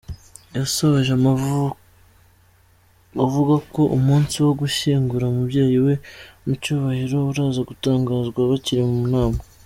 Yasoje avugako umunsi wo gushyingura umubyeyi we mu cyubahiro uraza gutangazwa bakiri mu nama.